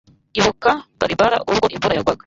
Ibuka Barbara ubwo imvura yagwaga